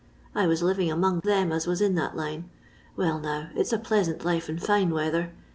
I was living among them as was in that line. Well, now, it 's a pleasant life in fine weather.